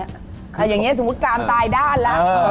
อย่างนี้สมมุติการตายด้านแล้ว